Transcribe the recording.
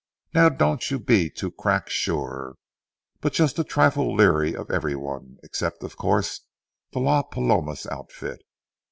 Now, don't you be too crack sure. Be just a trifle leary of every one, except, of course, the Las Palomas outfit."